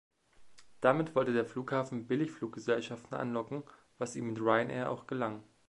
Damit wollte der Flughafen Billigfluggesellschaften anlocken, was ihm mit Ryanair auch gelang.